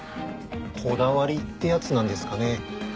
こだわりってやつなんですかね。